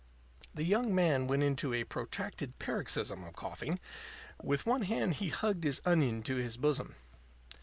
The young man went into a protracted paroxysm of coughing. With one hand he hugged his onion to his bosom.